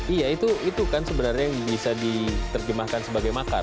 iya itu kan sebenarnya yang bisa diterjemahkan sebagai makar